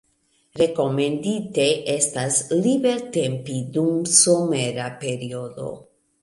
Rekomendite estas libertempi dum somera periodo.